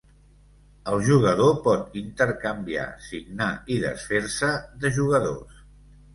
El jugador pot intercanviar, signar i desfer-se de jugadors.